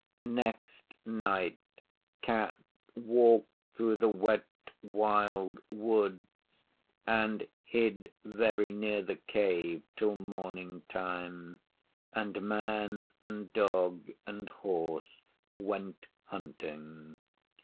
Next night Cat walked through the Wet Wild Woods and hid very near the Cave till morning time, and Man and Dog and Horse went hunting.